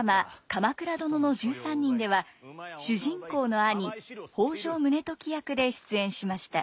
「鎌倉殿の１３人」では主人公の兄北条宗時役で出演しました。